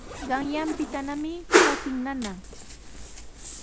Qanyaanpitanami trakin nana.